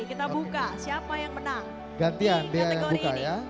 kita buka siapa yang menang di kategori ini